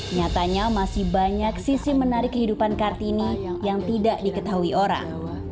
nyatanya masih banyak sisi menarik kehidupan kartini yang tidak diketahui orang